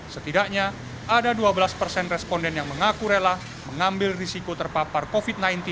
setidaknya ada dua belas persen responden yang mengaku rela mengambil risiko terpapar covid sembilan belas